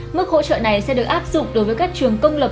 mức hỗ trợ này sẽ được áp dụng đối với các trường công lập